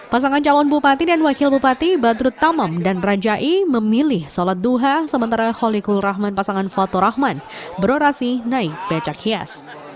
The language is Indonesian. pasangan calon bupati dan wakil bupati badrut tamam dan rajai memilih sholat duha sementara holikul rahman pasangan fathur rahman berorasi naik becak hias